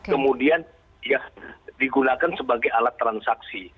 kemudian ya digunakan sebagai alat transaksi